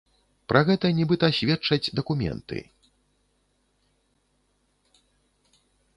Пра гэта, нібыта, сведчаць дакументы.